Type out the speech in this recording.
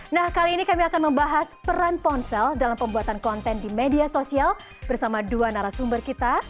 nah kali ini kami akan membahas peran ponsel dalam pembuatan konten di media sosial bersama dua narasumber kita